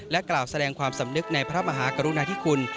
กล่าวแสดงความสำนึกในพระมหากรุณาธิคุณ